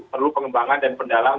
perlu pengembangan dan pendalaman